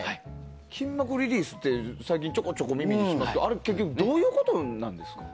筋膜リリースって最近ちょこちょこ耳にしますけどどういうことなんですか？